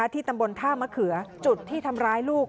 ที่ตำบลท่ามะเขือจุดที่ทำร้ายลูก